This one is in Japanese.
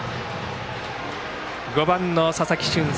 ５番の佐々木駿介